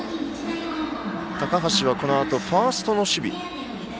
高橋、このあとファーストの守備。